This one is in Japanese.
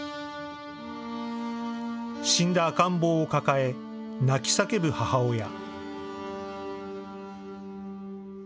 死んだ赤ん坊を抱え泣き叫ぶ母親。